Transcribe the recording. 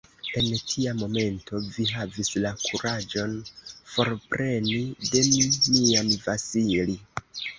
En tia momento vi havis la kuraĝon forpreni de mi mian Vasili!